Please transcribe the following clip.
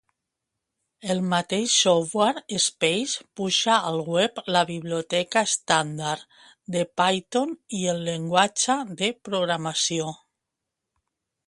El mateix "software" Spyce puja al web la biblioteca estàndard de Python i el llenguatge de programació.